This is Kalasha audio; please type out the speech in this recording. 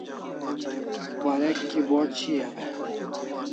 Warek keyboard shiau e ?